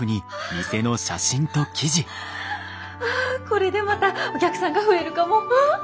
これでまたお客さんが増えるかも。